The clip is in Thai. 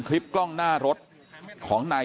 กลุ่มตัวเชียงใหม่